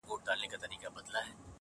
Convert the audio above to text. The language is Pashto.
خو هغه ليونۍ وايي.